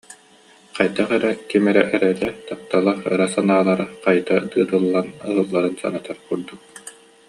Хайдах эрэ ким эрэ эрэлэ, таптала, ыра санаалара хайыта тыытыллан ыһылларын санатар курдук